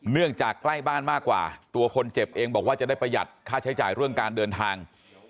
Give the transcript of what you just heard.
เนื่องจากใกล้บ้านมากกว่าตัวคนเจ็บเองบอกว่าจะได้ประหยัดค่าใช้จ่ายเรื่องการเดินทาง